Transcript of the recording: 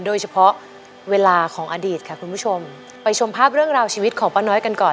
เวลาของอดีตค่ะคุณผู้ชมไปชมภาพเรื่องราวชีวิตของป้าน้อยกันก่อน